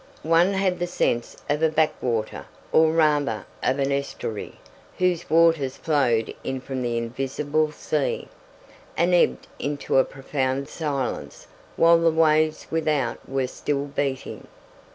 One had the sense of a backwater, or rather of an estuary, whose waters flowed in from the invisible sea, and ebbed into a profound silence while the waves without were still beating.